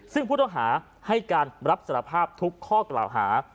ซึ่งผู้ต้องหาให้การรับสารภาพทุกข้อกล่าวหา